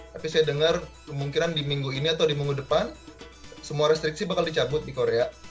tapi saya dengar kemungkinan di minggu ini atau di minggu depan semua restriksi bakal dicabut di korea